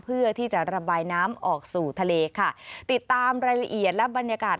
เพื่อที่จะระบายน้ำออกสู่ทะเลค่ะติดตามรายละเอียดและบรรยากาศ